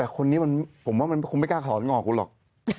แต่คนนี้มันผมว่าคุณไม่กล้าขอร้อนงอของคุณหรอก